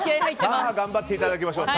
頑張っていただきましょう。